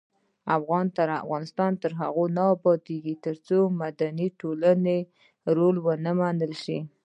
افغانستان تر هغو نه ابادیږي، ترڅو د مدني ټولنې رول ومنل نشي.